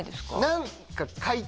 何か。